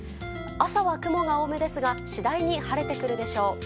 朝は雲が多めですが次第に晴れてくるでしょう。